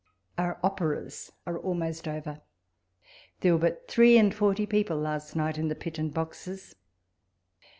Our operas are almost over ; there were but three and forty people last night in the pit and boxes.